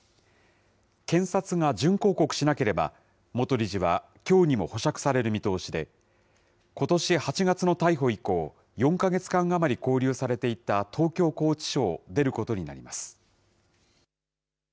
検察が準抗告しなければ元理事はきょうにも保釈される見通しで、ことし８月の逮捕以降、４か月間余り勾留されていた東京拘置所を出ることになります。